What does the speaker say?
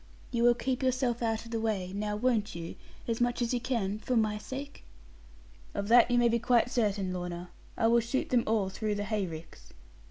You will keep yourself out of the way, now won't you, as much as you can, for my sake?' 'Of that you may be quite certain, Lorna. I will shoot them all through the hay ricks.'